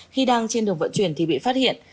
khi đang trên đường vận chuyển thì bị phát hiện